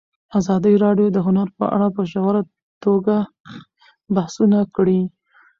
ازادي راډیو د هنر په اړه په ژوره توګه بحثونه کړي.